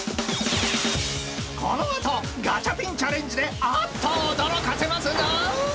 ［この後ガチャピンチャレンジであっと驚かせますぞ！］